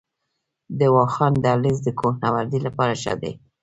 د واخان دهلیز د کوه نوردۍ لپاره ښه دی؟